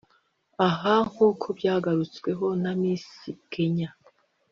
Aha nk’uko byagarutsweho na Miss Kenya